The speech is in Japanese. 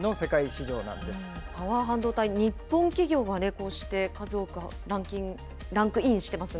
パワー半導体、日本企業がこうして数多くランクインしてますね。